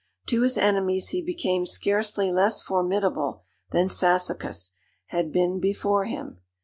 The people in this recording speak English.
To his enemies he became scarcely less formidable than Sassacus had been before him.